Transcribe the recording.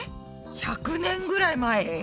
１００年ぐらい前？